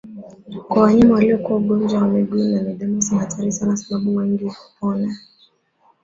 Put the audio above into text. Kwa wanyama waliokua ugonjwa wa miguu na midomo si hatari sana sababu wengi hupona